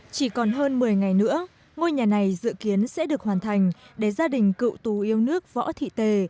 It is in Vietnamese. chỉ còn hơn một mươi ngày nữa ngôi nhà này dự kiến sẽ được hoàn thành để gia đình cựu tù yêu nước võ thị tề